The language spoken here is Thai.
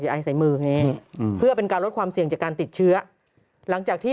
ไอใส่มือไงอืมเพื่อเป็นการลดความเสี่ยงจากการติดเชื้อหลังจากที่